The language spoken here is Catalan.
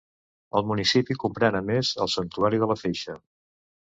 El municipi comprèn a més, el santuari de la Feixa.